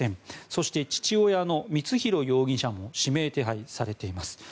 そして、父親の光弘容疑者も指名手配されています。